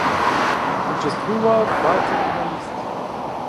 Учествуваат двајца финалисти.